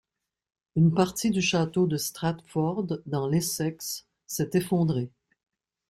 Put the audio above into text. Une partie du château de Stratford, dans l'Essex, s'est effondrée.